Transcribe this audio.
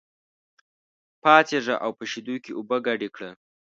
پاڅېږه او په شېدو کې اوبه ګډې کړه.